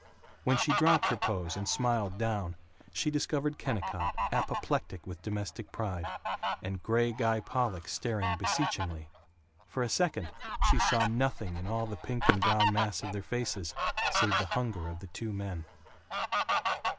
When she dropped her pose and smiled down she discovered Kennicott apoplectic with domestic pride and gray Guy Pollock staring beseechingly. For a second she saw nothing in all the pink and brown mass of their faces save the hunger of the two men.